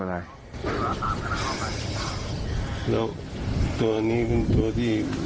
แล้วตัวนี้เป็นตัวที่